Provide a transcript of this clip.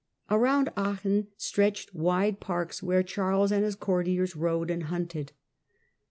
Around Aachen stretched wide parks, where Charles and his courtiers rode and hunted.